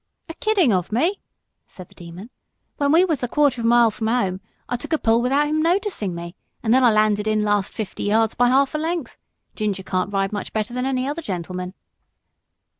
"A kidding of me!" said the Demon. "When we was a hundred yards from 'ome I steadied without his noticing me, and then I landed in the last fifty yards by half a length. Ginger can't ride much better than any other gentleman."